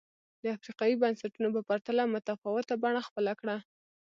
د افریقايي بنسټونو په پرتله متفاوته بڼه خپله کړه.